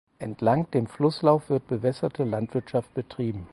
Entlang dem Flusslauf wird bewässerte Landwirtschaft betrieben.